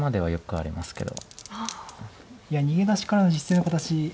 いや逃げ出しからの実戦の形。